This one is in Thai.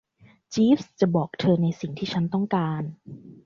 จีฟส์จะบอกเธอในสิ่งที่ฉันต้องการ